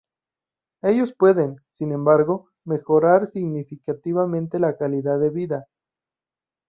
Ellos pueden, sin embargo, mejorar significativamente la calidad de vida.